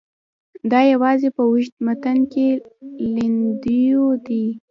دا یوازې په اوږده متن کې لیندیو دي.